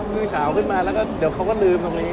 ื้อเฉาขึ้นมาแล้วก็เดี๋ยวเขาก็ลืมตรงนี้